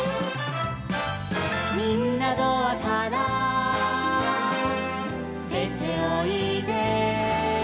「みんなドアからでておいで」